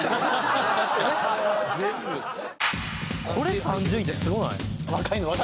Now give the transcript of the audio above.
これ３０位ってすごない！？